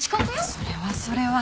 それはそれは。